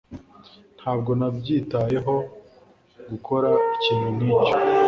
Ntabwo nabyitayeho gukora ikintu nkicyo